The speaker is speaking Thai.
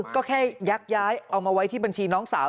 ก็แค่ยักย้ายเอามาไว้ที่บัญชีน้องสาว